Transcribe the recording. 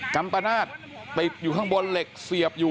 กัมปนาศติดอยู่ข้างบนเหล็กเสียบอยู่